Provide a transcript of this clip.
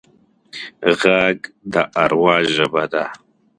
غږ د اروا ژبه ده